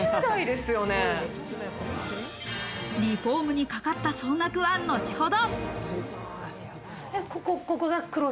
リフォームにかかった総額は後ほど。